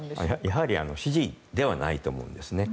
やはり指示ではないと思うんです。